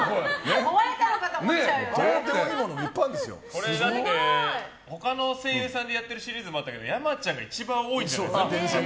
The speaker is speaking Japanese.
画面だって、他の声優さんでやってるシリーズもあったけどやまちゃんが一番多いんじゃないですか。